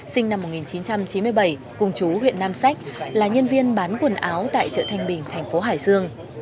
sinh năm một nghìn chín trăm chín mươi bảy cùng chú huyện nam sách là nhân viên bán quần áo tại chợ thanh bình thành phố hải dương